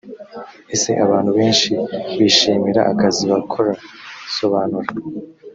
ese abantu benshi bishimira akazi bakora? sobanura